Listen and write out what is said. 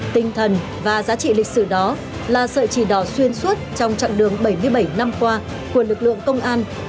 tinh thần và giá trị lịch sử đó là sợi chỉ đỏ xuyên suốt trong trạng đường bảy mươi bảy năm qua của lực lượng công an